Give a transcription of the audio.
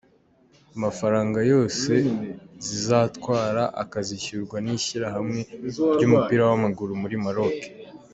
Amafaranga yose zizatwara akazishyurwa n’Ishyirahamwe ry’Umupira w’Amaguru muri Maroc.